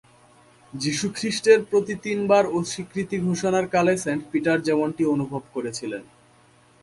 যিশুখ্রিষ্টের প্রতি তিনবার অস্বীকৃতি ঘোষণার কালে সেন্ট পিটার যেমনটি অনুভব করেছিলেন।